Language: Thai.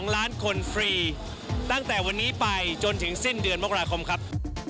๒ล้านคนฟรีตั้งแต่วันนี้ไปจนถึงสิ้นเดือนมกราคมครับ